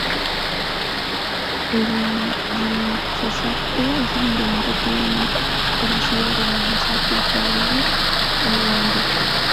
El glifosato es el ingrediente activo en el herbicida de Monsanto, Faena o Roundup.